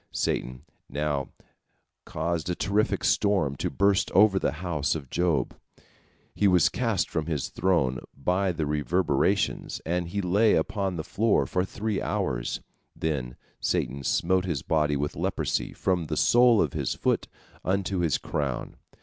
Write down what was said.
Satan now caused a terrific storm to burst over the house of Job. He was cast from his throne by the reverberations, and he lay upon the floor for three hours. Then Satan smote his body with leprosy from the sole of his foot unto his crown.